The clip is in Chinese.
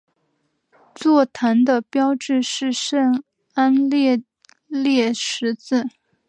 座堂的标志是圣安德烈十字。